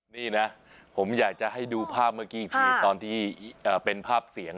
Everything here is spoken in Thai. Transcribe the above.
นี่นะผมอยากจะให้ดูภาพเมื่อกี้อีกทีตอนที่เป็นภาพเสียง